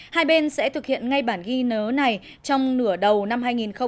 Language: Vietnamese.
hai bên sẽ thực hiện ngay bản ghi nhớ này trong nửa đầu năm hai nghìn một mươi chín